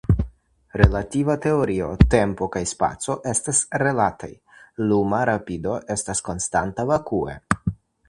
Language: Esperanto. Relativa Teorio: Tempo kaj spaco estas relataj; luma rapido estas konstanta vakue.